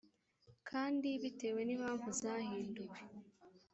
kandi bitewe n impamvu zahinduwe.